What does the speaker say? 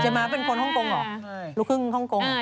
เจมมาเป็นคนห้องกงเหรอ